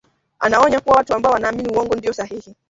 Anaonya kuwa watu ambao wanaamini uongo ndiyo sahihi